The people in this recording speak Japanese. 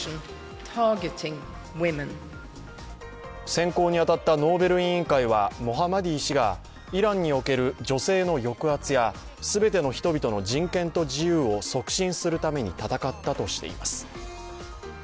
選考に当たったノーベル委員会はモハマディ氏がイランにおける女性の抑圧や全ての人々の人権と自由を促進するために戦ったとしています。